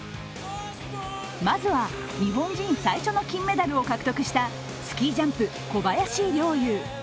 まずは日本人最初の金メダルを獲得したスキージャンプ・小林陵侑。